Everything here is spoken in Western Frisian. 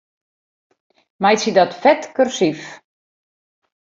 Meitsje dat fet kursyf.